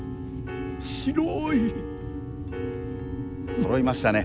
そろいましたね。